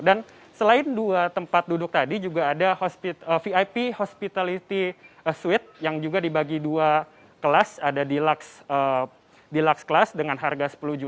dan selain dua tempat duduk tadi juga ada vip hospitality suite yang juga dibagi dua kelas ada deluxe kelas dengan harga rp sepuluh